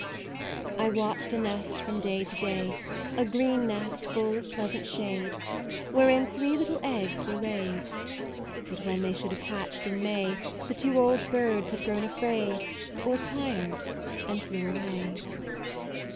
I watched a nest from day to day, A green nest, full of pleasant shade, Wherein three little eggs were laid: But when they should have hatched in May, The two old birds had grown afraid, Or tired, and flew away.